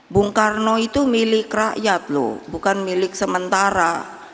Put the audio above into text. bung karno itu milik rakyat loh bukan milik sementara